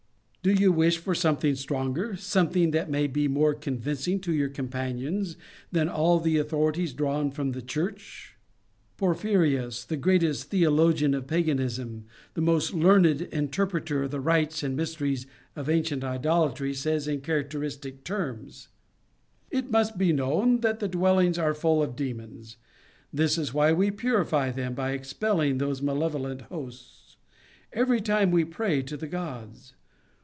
Do you wish for something stronger, some thing that may be more convincing to your companions than all the authorities drawn from the Church? Porphyrius, the greatest theologian of paganism, the most learned interpreter of the rites and mysteries of ancient idolatry, says in characteristic terms: "It must be known that the dwellings are full of demons. This is why we purify them by expelling those malevolent hosts, every time we pray to the gods.